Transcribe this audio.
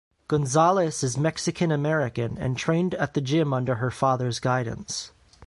Gonzalez is Mexican-American, and trained at the gym under her father's guidance.